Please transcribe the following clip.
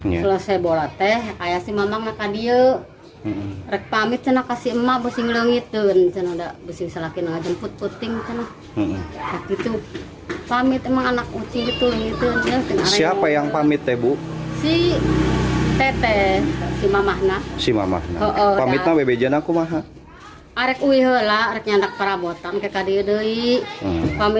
jadi kami berkata kamu akan mencari makanan sejak rabu malam